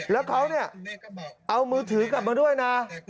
แล้วเขาเนี่ยเอามือถือกลับมาด้วยนะ